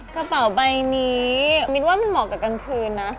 กระเป๋าใบนี้มินว่ามันเหมาะกับกลางคืนนะ